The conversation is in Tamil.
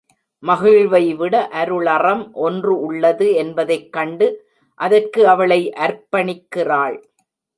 மகிழ்வைவிட அருளறம் ஒன்று உள்ளது என்பதைக் கண்டு அதற்கு அவளை அர்ப்பணிக்கிறாள்.